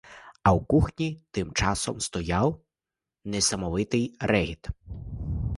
А в кухні тим часом стояв несамовитий регіт.